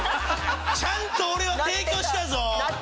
ちゃんと俺は提供したぞ！